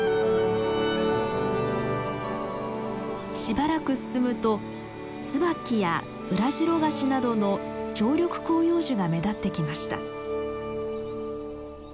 しばらく進むとツバキやウラジロガシなどの常緑広葉樹が目立ってきました。